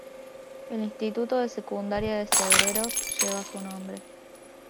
El instituto de Secundaria de Cebreros lleva su nombre.